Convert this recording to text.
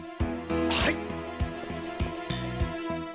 はい！